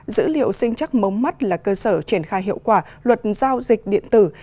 dữ liệu sinh chắc mống mắt là cơ sở triển khai hiệu quả luật giao dịch điện tử